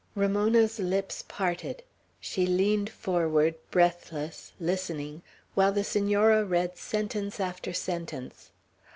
Ramona's lips parted. She leaned forward, breathless, listening, while the Senora read sentence after sentence.